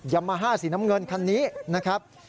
ยามาฮ่าสีน้ำเงินคันนี้นะครับ